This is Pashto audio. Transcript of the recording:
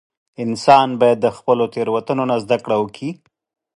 • انسان باید د خپلو تېروتنو نه زده کړه وکړي.